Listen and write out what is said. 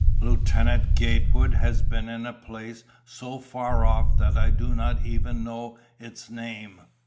"Lieutenant Gatewood has been in a place so far off that I do not even know its name.